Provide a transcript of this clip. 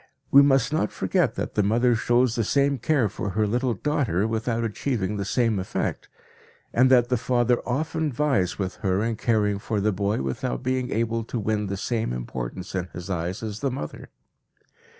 We must not forget that the mother shows the same care for her little daughter without achieving the same effect, and that the father often vies with her in caring for the boy without being able to win the same importance in his eyes as the mother.